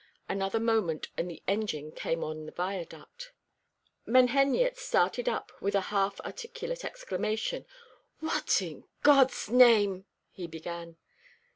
Another moment and the engine came on the viaduct. Menheniot started up with a half articulate exclamation, "What, in God's name " he began.